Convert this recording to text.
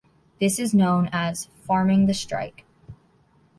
This is known as "farming the strike".